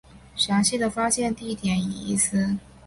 详细的发现地点已遗失。